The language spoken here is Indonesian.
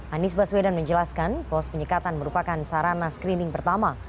anies baswedan menjelaskan pos penyekatan merupakan sarana screening pertama